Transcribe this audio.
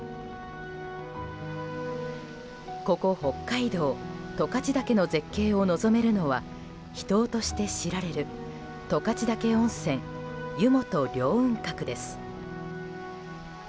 ここ北海道十勝岳の絶景を望めるのは秘湯として知られる十勝岳温泉湯元凌雲閣です。